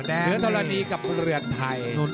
เหนือธรณีกับเรือนไทย